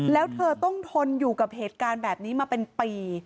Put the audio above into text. แล้วเธอต้องทนอยู่กับเหตุการณ์แบบนี้มาเป็นปี